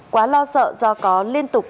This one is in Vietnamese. quá lo sợ do có liên tục